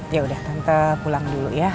yaudah tante pulang dulu ya